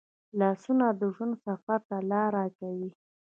لاسونه د ژوند سفر ته لار کوي